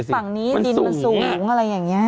ฝั่งนี้ดินมันสูงอะไรอย่างนี้